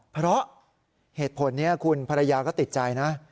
เพราะเหตุผลนี้คุณภรรยาก็ติดใจนะ